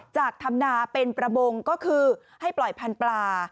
ทำนาเป็นประมงก็คือให้ปล่อยพันธุ์ปลา